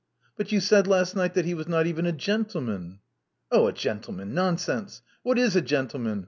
But you said last night that he was not even a gentleman." "Oh, a gentleman! Nonsense! What is a gentle man?